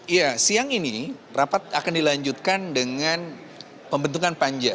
iya siang ini rapat akan dilanjutkan dengan pembentukan panja